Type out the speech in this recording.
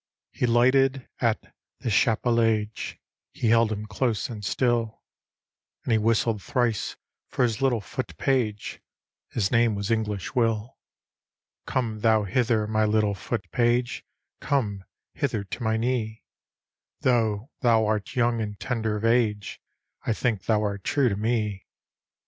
He lighted at the Chapellage, He held him close and sttll; And he whistled thrice for his little foot page; His name was English Will. " Come thou hither, my little foot page. Come hither to my knee; Though thou art young and tender of age, I think thou art true to me.